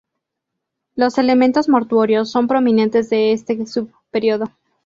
Los elementos mortuorios son prominentes en este sub período.